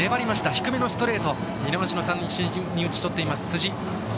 低めのストレートを見逃し三振に打ち取っている辻。